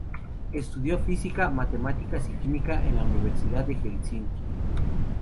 Estudió física, matemáticas y química en la Universidad de Helsinki.